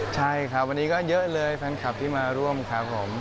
ใช่ครับวันนี้ก็เยอะเลยแฟนคลับที่มาร่วมครับผม